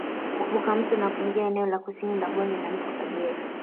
Kuvuka mto na kuingia eneo la kusini la bonde la mto Kagera